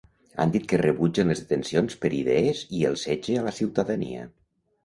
Han dit que rebutgen les detencions per idees i el setge a la ciutadania.